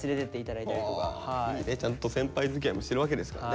いいねちゃんと先輩づきあいもしてるわけですからね。